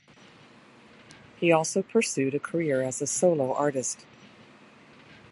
He also pursued a career as a solo artist.